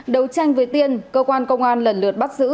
đấu tranh với tiên cơ quan công an lần lượt bắt giữ